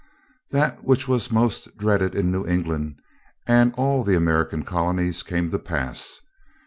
That which was most dreaded in New England and all the American colonies came to pass.